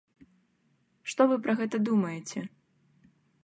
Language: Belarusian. Што вы пра гэта думаеце?